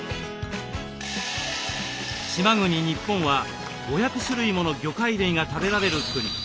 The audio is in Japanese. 島国日本は５００種類もの魚介類が食べられる国。